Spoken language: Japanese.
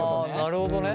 なるほどね。